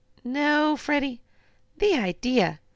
"No, Freddie. The idea!